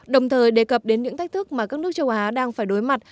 đồng thời đề cập đến những thách thức mà các nước châu á đang phải đối mặt